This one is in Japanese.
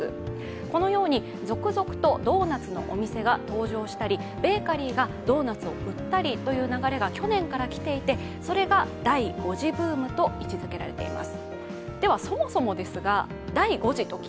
このように続々とドーナツのお店が登場したりベーカリーがドーナツを売ったりという流れが去年からきていてそれが第５次ブームと位置づけられています。